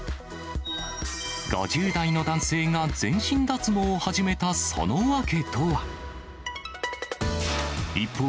５０代の男性が全身脱毛を始めたその訳とは。